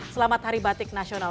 selamat hari batik nasional